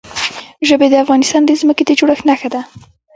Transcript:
ژبې د افغانستان د ځمکې د جوړښت نښه ده.